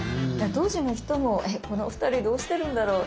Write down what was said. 当時の人もこの２人どうしてるんだろう？